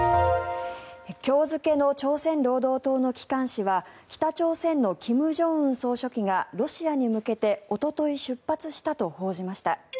今日付の朝鮮労働党の機関紙は北朝鮮の金正恩総書記がロシアに向けておととい出発したと報じました。